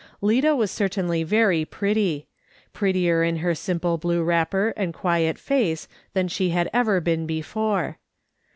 Lida was certainly very pretty ; prettier in her simple wrapper and quiet face than she had ever been before.